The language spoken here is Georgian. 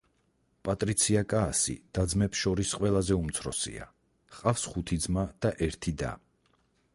პატრისია კაასი და-ძმებს შორის ყველაზე უმცროსია, ჰყავს ხუთი ძმა და ერთი და.